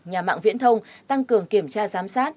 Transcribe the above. nhà mạng viễn thông tăng cường kiểm tra giám sát